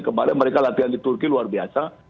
kemarin mereka latihan di turki luar biasa